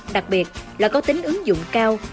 đặc biệt là có tính ứng dụng cao